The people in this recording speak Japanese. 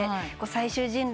『最終人類』！